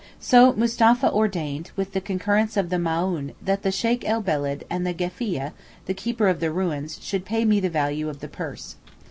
So Mustapha ordained, with the concurrence of the Maōhn, that the Sheykh el Beled and the gefiyeh (the keeper of the ruins) should pay me the value of the purse.